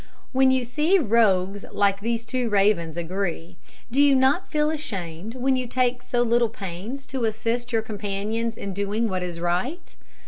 When you see rogues like these two ravens agree, do you not feel ashamed when you take so little pains to assist your companions in doing what is right?